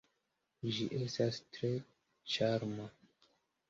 Ĝi estas tre ĉarma.